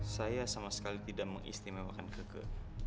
saya sama sekali tidak mengistimewakan keke